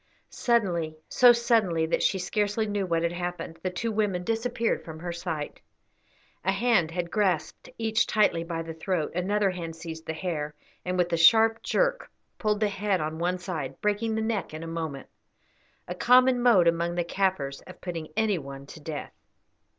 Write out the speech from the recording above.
Suddenly, so suddenly that she scarcely knew what had happened, the two women disappeared from her sight. A hand had grasped each tightly by the throat, another hand seized the hair, and, with a sharp jerk, pulled the head on one side, breaking the neck in a moment a common mode among the Kaffirs of putting any one to death.